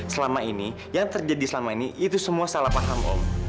selama ini yang terjadi selama ini itu semua salah paham om